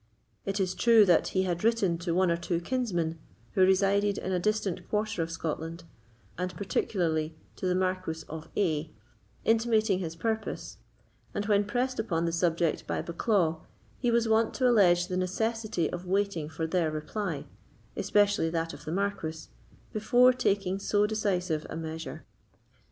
It is true, that he had written to one or two kinsmen who resided in a distant quarter of Scotland, and particularly to the Marquis of A——, intimating his purpose; and when pressed upon the subject by Bucklaw, he was wont to allege the necessity of waiting for their reply, especially that of the Marquis, before taking so decisive a measure.